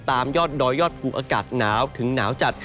ตามยอดดอยยอดภูอากาศหนาวถึงหนาวจัด